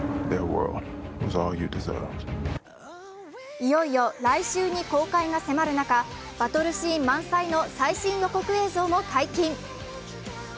いよいよ来週に公開が迫る中、バトルシーン満載の最新予告映像も解禁。